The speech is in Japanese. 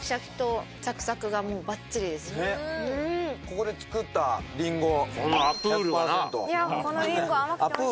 ここで作ったりんご１００％。